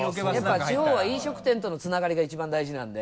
やっぱり地方は飲食店とのつながりが一番大事なんで。